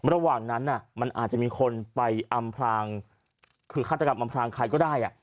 ระหว่างนั้นมันอาจจะมีคนไปอำพลางคือฆาตกรรมอำพลางใครก็ได้